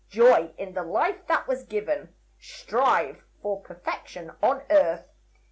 Joy in the life that was given, Strive for perfection on earth.